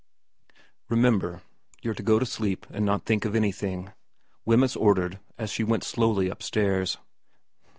' Remember you're to go to sleep and not think of anything,' Wemyss ordered as she went slowly upstairs.